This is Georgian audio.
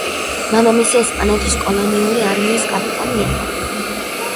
მამამისი ესპანეთის კოლონიური არმიის კაპიტანი იყო.